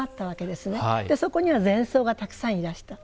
そこには禅僧がたくさんいらした。